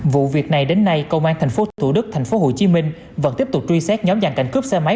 vụ việc này đến nay công an tp thủ đức tp hcm vẫn tiếp tục truy xét nhóm dàn cảnh cướp xe máy